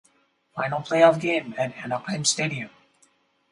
Final playoff game at Anaheim Stadium.